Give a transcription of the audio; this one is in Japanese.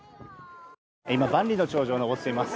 今、万里の長城を登っています。